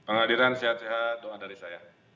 pak ngadiran sehat sehat doa dari saya